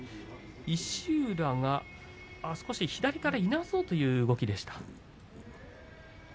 石浦が少し左からいなそうという動きでした。